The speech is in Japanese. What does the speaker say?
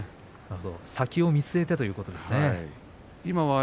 先を見据えてということですね。